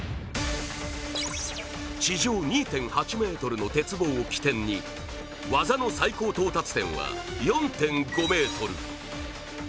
地上２．８ｍの鉄棒を起点に技の最高到達点は４．５ｍ。